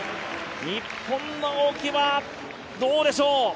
日本の青木はどうでしょう。